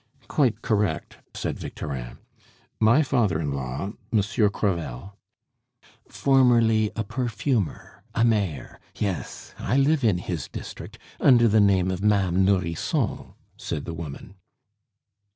"Quite correct," said Victorin. "My father in law, Monsieur Crevel " "Formerly a perfumer, a mayor yes, I live in his district under the name of Ma'ame Nourrisson," said the woman.